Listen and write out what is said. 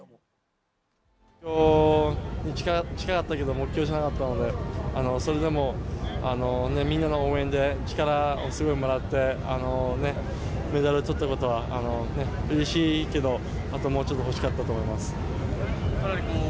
目標じゃなかったので、それでもみんなの応援で力をすごいもらって、メダルとったことはうれしいけど、あともうちょっと欲しかったと思います。